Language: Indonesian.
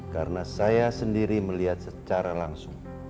karena saya sendiri melihat secara langsung